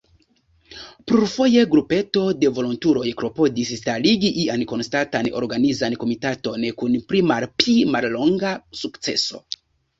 Plurfoje, grupeto de volontuloj klopodis starigi ian konstantan organizan komitaton, kun pli-malpi mallonga sukceso.